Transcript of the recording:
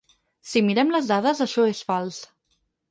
Si mirem les dades això és fals.